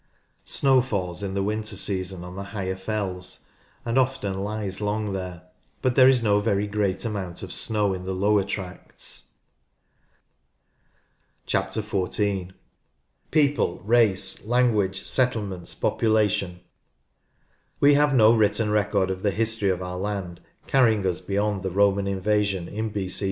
Snow falls in the winter season on the higher fells and often lies long there, but there is no very great amount of snow in the lower tracts. 6—2 84 NORTH LANCASHIRE 14. People — Race, Language, Settle= merits, Population. We have no written record of the history of our land carrying us beyond the Roman invasion in B.C.